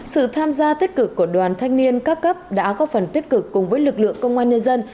sự tham gia tích cực của đoàn thanh niên các cấp đã có phần tích cực cùng với lực lượng công an nhân dân